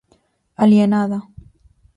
Alienada.